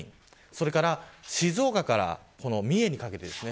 それから静岡から三重にかけてです。